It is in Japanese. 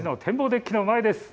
デッキの前です。